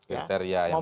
kriteria yang pas